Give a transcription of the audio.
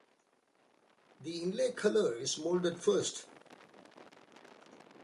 The 'inlay' colour is moulded first.